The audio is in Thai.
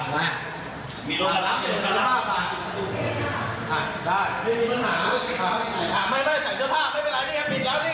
พี่แต่ก็ต้องเท่าไหร่นะมาร้อนกะแหน้งออกเถิบตังคือ